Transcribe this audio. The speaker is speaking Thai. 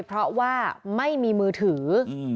เพราะว่าไม่มีมือถือ